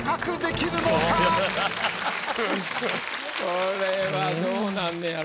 これはどうなんねやろ。